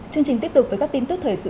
chương trình tiếp tục với các tin tức thời sự